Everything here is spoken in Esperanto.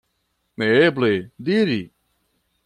Neeble diri.